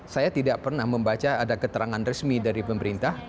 saya tidak pernah membaca ada keterangan resmi dari pemerintah